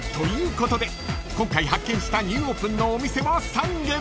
ことで今回発見したニューオープンのお店は３軒］